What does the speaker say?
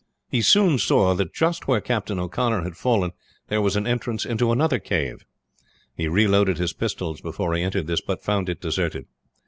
He soon saw that just where Captain O'Connor had fallen there was an entrance into another cave. He reloaded his pistols before he entered this, but found it deserted.